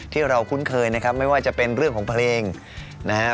ที่เราคุ้นเคยนะครับไม่ว่าจะเป็นเรื่องของเพลงนะฮะ